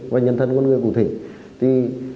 và nhân thân con người của tôi